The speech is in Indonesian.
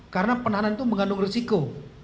karena penahanan itu mengandung risiko